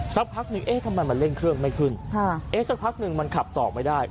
สักพักหนึ่งเอ๊ะทำไมมันเร่งเครื่องไม่ขึ้นค่ะเอ๊ะสักพักหนึ่งมันขับต่อไม่ได้